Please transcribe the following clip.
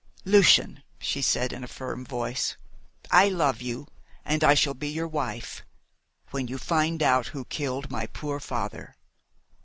"Lucian," she said in a firm voice, "I love you, and I shall be your wife when you find out who killed my poor father!"